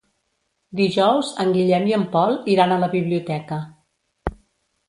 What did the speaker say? Dijous en Guillem i en Pol iran a la biblioteca.